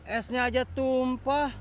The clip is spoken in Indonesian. esnya aja tumpah